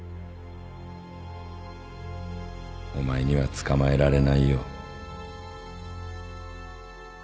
お前には捕まえられないよ